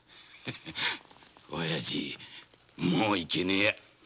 オヤジもういけねえや！